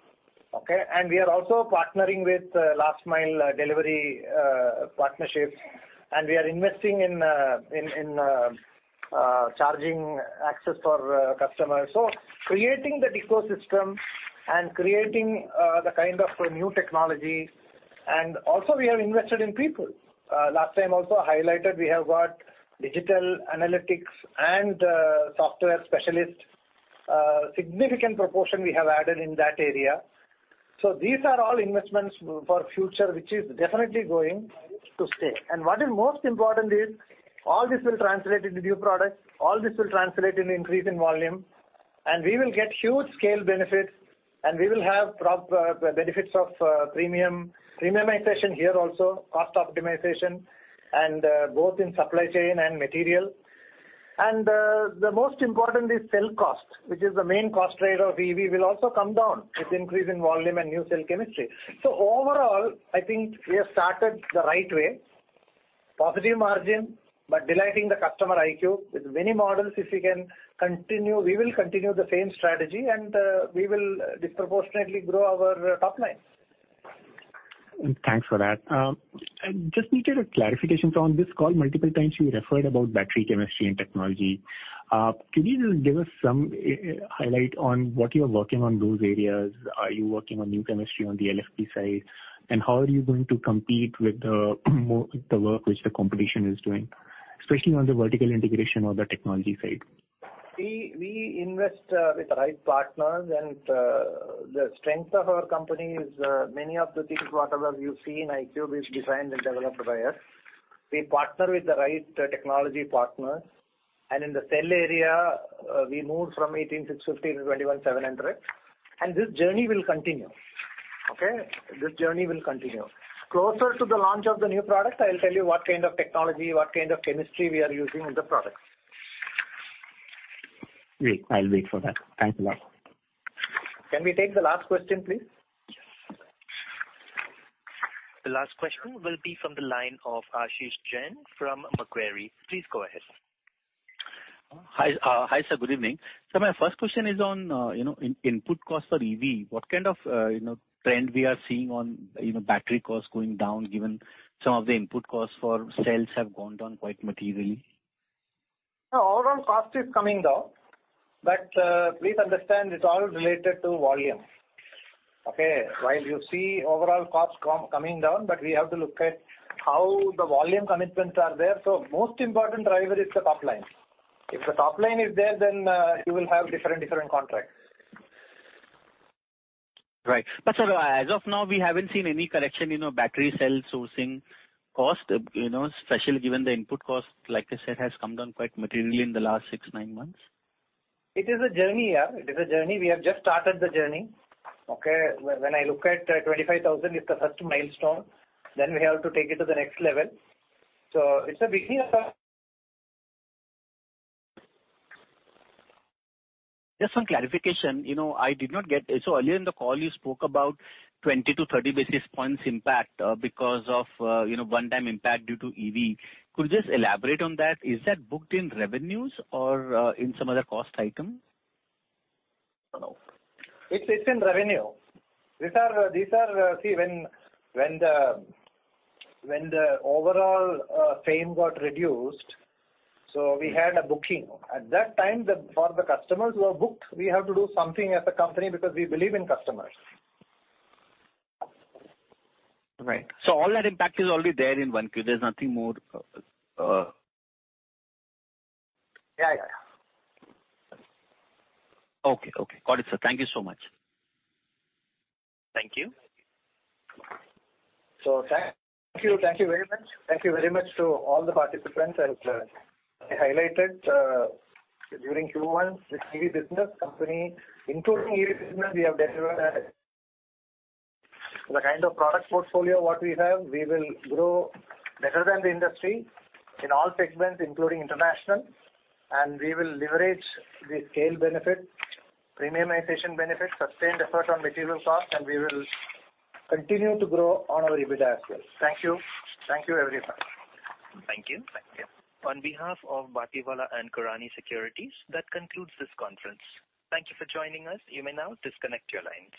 okay? We are also partnering with last mile delivery partnerships, and we are investing in charging access for customers. Creating that ecosystem and creating the kind of new technology, and also we have invested in people. Last time also highlighted, we have got digital analytics and software specialists. Significant proportion we have added in that area. These are all investments for future, which is definitely going to stay. What is most important is, all this will translate into new products, all this will translate in increase in volume, and we will get huge scale benefits, and we will have benefits of premiumization here also, cost optimization, and both in supply chain and material. The most important is cell cost, which is the main cost rate of EV, will also come down with increase in volume and new cell chemistry. Overall, I think we have started the right way. Positive margin, but delighting the customer iQube. With many models, if we can continue, we will continue the same strategy, we will disproportionately grow our top line. Thanks for that. I just needed a clarification. On this call, multiple times you referred about battery chemistry and technology. Could you just give us some highlight on what you are working on those areas? Are you working on new chemistry on the LFP side? How are you going to compete with the work which the competition is doing, especially on the vertical integration or the technology side? We invest with the right partners, and the strength of our company is many of the things, whatever you see in iQube, is designed and developed by us. We partner with the right technology partners, and in the cell area, we moved from 18650 to 21700. This journey will continue, okay? This journey will continue. Closer to the launch of the new product, I will tell you what kind of technology, what kind of chemistry we are using in the products. Great. I'll wait for that. Thanks a lot. Can we take the last question, please? The last question will be from the line of Ashish Jain from Macquarie. Please go ahead. Hi, hi, sir, good evening. My first question is on, you know, input costs for EV. What kind of, you know, trend we are seeing on, you know, battery costs going down, given some of the input costs for cells have gone down quite materially? No, overall cost is coming down, but, please understand it's all related to volume, okay? While you see overall costs coming down, but we have to look at how the volume commitments are there. Most important driver is the top line. If the top line is there, then, you will have different contracts. Right. Sir, as of now, we haven't seen any correction, you know, battery cell sourcing cost, you know, especially given the input cost, like I said, has come down quite materially in the last six, nine months. It is a journey, yeah. It is a journey. We have just started the journey, okay? When I look at 25,000 is the first milestone, then we have to take it to the next level. It's a beginning of a. Just one clarification, you know, I did not get. Earlier in the call, you spoke about 20 to 30 basis points impact, because of, you know, one-time impact due to EV. Could you just elaborate on that? Is that booked in revenues or in some other cost item? I don't know. It's in revenue. These are. See, when the overall frame got reduced, we had a booking. At that time, for the customers who are booked, we have to do something as a company because we believe in customers. Right. All that impact is already there in OneQ. There's nothing more. Yeah, yeah. Okay, okay. Got it, sir. Thank you so much. Thank you. Thank you. Thank you very much. Thank you very much to all the participants. As I highlighted, during Q1, with EV business, company, including EV business, we have delivered the kind of product portfolio, what we have, we will grow better than the industry in all segments, including international, and we will leverage the scale benefit, premiumization benefit, sustained effort on material cost, and we will continue to grow on our EBITDA as well. Thank you. Thank you, everyone. Thank you. Thank you. On behalf of Batlivala & Karani Securities, that concludes this conference. Thank you for joining us. You may now disconnect your lines.